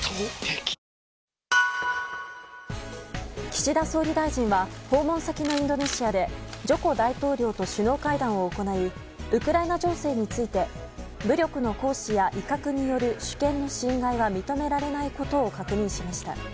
岸田総理大臣は訪問先のインドネシアでジョコ大統領と首脳会談を行いウクライナ情勢について武力の行使や威嚇による主権の侵害は認められないことを確認しました。